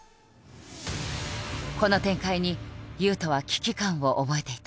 この展開に雄斗は危機感を覚えていた。